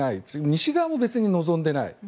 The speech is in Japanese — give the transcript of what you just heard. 西側も別に望んでない。